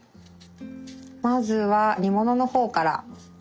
まずは煮物の方からですかね。